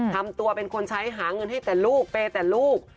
ทำตัวเป็นคนใช้หาเงินให้แต่ลูกเปย์แต่ลูก